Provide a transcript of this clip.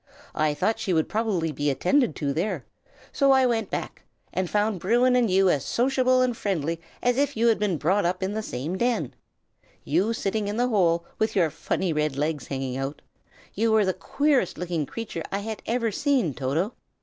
I thought she would probably be attended to there; so I went back, and found Bruin and you as sociable and friendly as if you had been brought up in the same den, you sitting in the hole, with your funny red legs hanging out (you were the queerest looking animal I had ever seen, Toto!)